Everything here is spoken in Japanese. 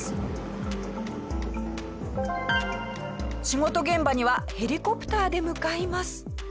仕事現場にはヘリコプターで向かいます。